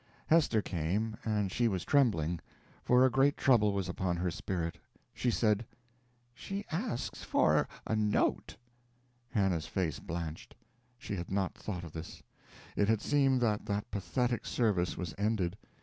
Hester came, and she was trembling, for a great trouble was upon her spirit. She said: "She asks for a note." Hannah's face blanched. She had not thought of this; it had seemed that that pathetic service was ended.